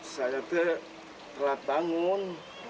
saya itu telat bangun